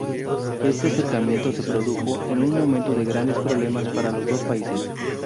Este acercamiento se produjo en un momento de grandes problemas para los dos países.